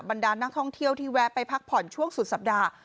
ดานนักท่องเที่ยวที่แวะไปพักผ่อนช่วงสุดสัปดาห์